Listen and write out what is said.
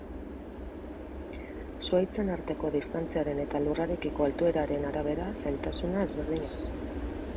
Zuhaitzen arteko distantziaren eta lurrarekiko altueraren arabera zailtasuna ezberdina da.